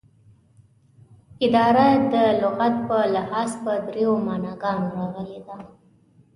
اداره دلغت په لحاظ په دریو معناګانو راغلې ده